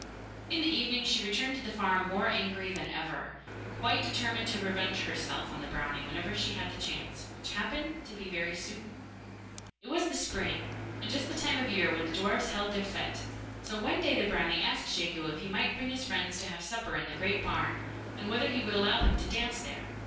In the evening she returned to the farm more angry than ever, and quite determined to revenge herself on the brownie whenever she had the chance, which happened to be very soon. It was the spring, and just the time of year when the dwarfs held their fete, so one day the brownie asked Jegu if he might bring his friends to have supper in the great barn, and whether he would allow them to dance there.